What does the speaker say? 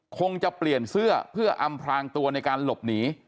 คงจะเปลี่ยนเสื้อเพื่ออำพลางตัวในการหลบหนี